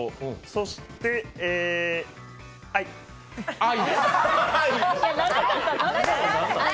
そして愛。